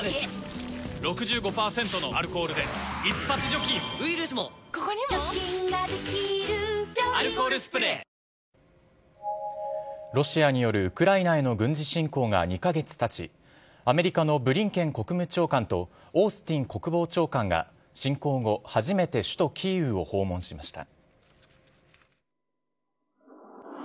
関係者によりますと、ロシアによるウクライナへの軍事侵攻が２か月たち、アメリカのブリンケン国務長官とオースティン国防長官が、侵攻後、初めて首都キーウを訪問しました。